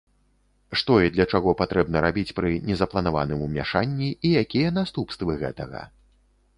Што і для чаго патрэбна рабіць пры незапланаваным умяшанні, і якія наступствы гэтага.